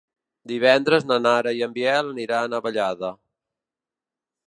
Divendres na Nara i en Biel aniran a Vallada.